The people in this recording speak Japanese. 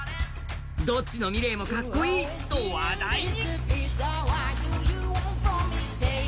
どっちのｍｉｌｅｔもかっこいいと話題に。